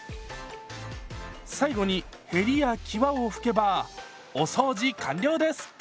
最後にへりやきわを拭けばお掃除完了です！